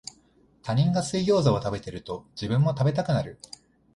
他人が水ギョウザを食べてると、自分も食べたくなる